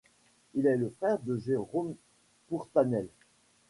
Il est le frère de Jérôme Pourtanel.